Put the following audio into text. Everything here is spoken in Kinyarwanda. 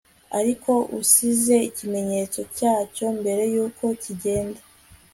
ariko usize ikimenyetso cyacyo mbere yuko kigenda